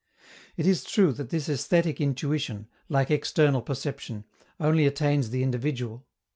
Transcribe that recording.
It is true that this aesthetic intuition, like external perception, only attains the individual.